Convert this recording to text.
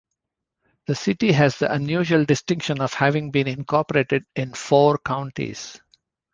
The city has the unusual distinction of having been incorporated in four counties.